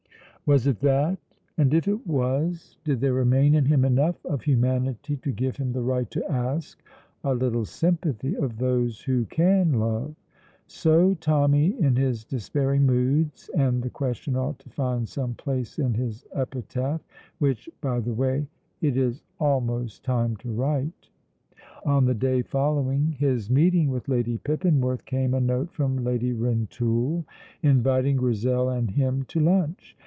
Was it that? And if it was, did there remain in him enough of humanity to give him the right to ask a little sympathy of those who can love? So Tommy in his despairing moods, and the question ought to find some place in his epitaph, which, by the way, it is almost time to write. On the day following his meeting with Lady Pippinworth came a note from Lady Rintoul inviting Grizel and him to lunch.